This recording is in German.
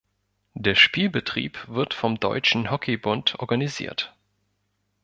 Der Spielbetrieb wird vom Deutschen Hockey-Bund organisiert.